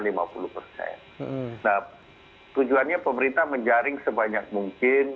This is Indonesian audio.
nah tujuannya pemerintah menjaring sebanyak mungkin